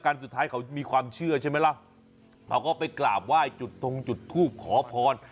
สุดท้ายเขามีความเชื่อใช่ไหมล่ะเขาก็ไปกราบไหว้จุดทงจุดทูปขอพร